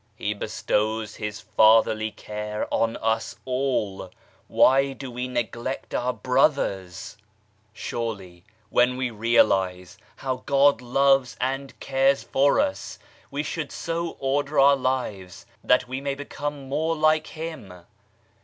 He bestows His Fatherly care on us all why do we neglect our brothers ? Surely, when we realize how God loves and cares for PASTOR WAGNER'S CHURCH in us, we should so order our lives that we may become more like Him.